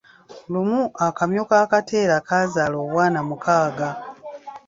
Lumu akamyu ka Kateera kazaala obwana mukaaga.